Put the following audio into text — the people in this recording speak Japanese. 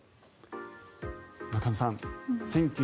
中野さん